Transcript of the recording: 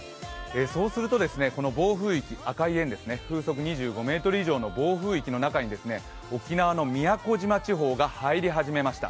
そうすると、この暴風域、赤い円、風速２５メートル以上の暴風域の中に沖縄の宮古島地方が入り始めました。